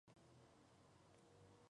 La raza negra no tuvo presencia alguna.